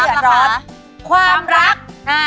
เออใด